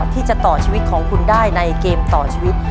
ที่จะต่อชีวิตของคุณได้ในเกมต่อชีวิต